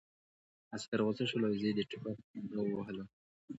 عسکر غوسه شول او زه یې د ټوپک په کونداغ ووهلم